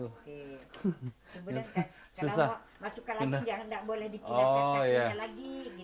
kalau masukkan lagi jangan tidak boleh dikira kainnya lagi